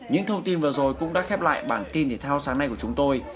những thông tin vừa rồi cũng đã khép lại bản tin thể thao sáng nay của chúng tôi